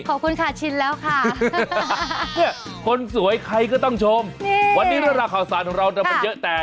ขอบคุณค่ะชินแล้วค่ะคนสวยใครก็ต้องชมวันนี้เรื่องราวข่าวสารของเรามันเยอะแต่